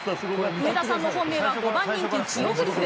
上田さんの本命は５番人気、ジオグリフ。